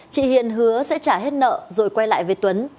chị hiền hứa sẽ trả hết nợ rồi quay lại với tuấn